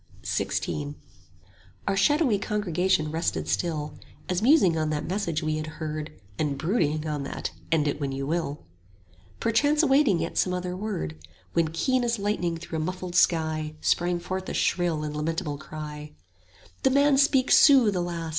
XVI Our shadowy congregation rested still, As musing on that message we had heard And brooding on that "End it when you will;" Perchance awaiting yet some other word; When keen as lightning through a muffled sky 5 Sprang forth a shrill and lamentable cry: The man speaks sooth, alas!